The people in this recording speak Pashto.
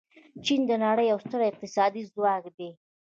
چین د نړۍ یو ستر اقتصادي ځواک دی.